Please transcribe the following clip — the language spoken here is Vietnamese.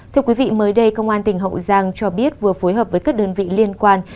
thưa quý vị mới đây công an tỉnh hậu giang cho biết vừa phối hợp với các đơn vị liên quan